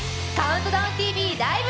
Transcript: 「ＣＤＴＶライブ！